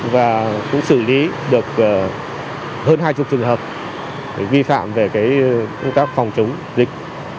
và cũng xử lý được hơn hai mươi trường hợp vi phạm về công tác phòng chống dịch